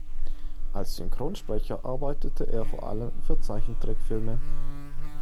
Als Synchronsprecher arbeitete er vor allem für Zeichentrickfilme.